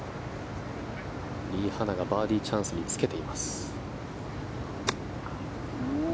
リ・ハナがバーディーチャンスにつけています。